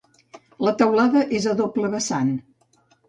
La teulada és a doble vessant.